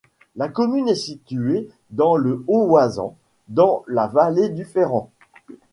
La commune est située dans le haut Oisans, dans la vallée du Ferrand.